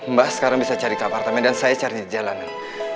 mbak sekarang bisa cari ke apartemen dan saya cari jalanan